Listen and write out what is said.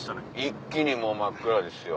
一気にもう真っ暗ですよ。